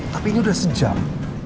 tapi ini udah sejam